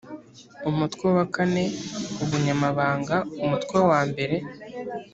umutwe wa iv ubunyamabanga umutwe wambere